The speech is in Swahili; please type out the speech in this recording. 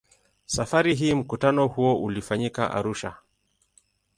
Safari hii mkutano huo ulifanyika Arusha.